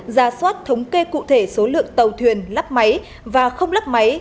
ra soát thống kê cụ thể số lượng tàu thuyền lắp máy và không lắp máy